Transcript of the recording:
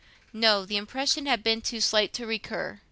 No, the impression had been too slight to recur.